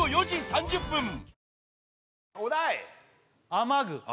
「雨具」